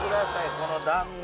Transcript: この断面。